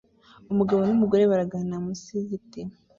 Umugabo numugore baraganira munsi yigiti